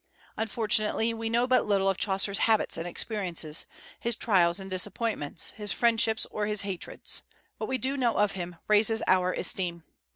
Unfortunately, we know but little of Chaucer's habits and experiences, his trials and disappointments, his friendships or his hatreds. What we do know of him raises our esteem.